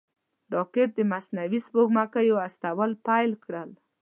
راکټ د مصنوعي سپوږمکیو استول پیل کړل